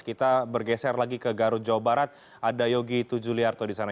kita bergeser lagi ke garut jawa barat ada yogi tujuliarto di sana